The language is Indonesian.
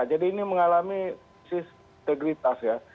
jadi ini mengalami krisis integritas ya